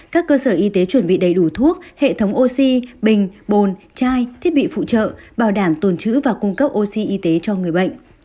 các cơ sở y tế chuẩn bị đầy đủ thuốc hệ thống oxy bình bồn trai thiết bị phụ trợ bảo đảm tồn chữ và cung cấp oxy y tế cho người bệnh